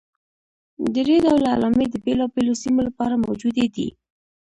درې ډوله علامې د بېلابېلو سیمو لپاره موجودې دي.